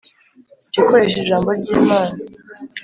Jya ukoresha Ijambo ry’Imana